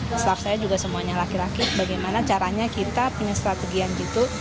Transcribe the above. setelah saya juga semuanya laki laki bagaimana caranya kita punya strategi yang gitu